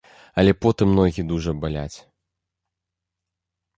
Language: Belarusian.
Але потым ногі дужа баляць.